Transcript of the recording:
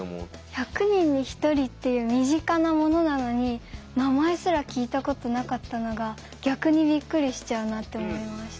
１００人に１人っていう身近なものなのに名前すら聞いたことなかったのが逆にびっくりしちゃうなって思いました。